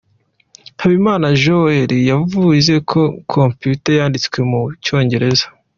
Habimana Joe yaravuze ngo Computer yanditswe mu Cyongereza.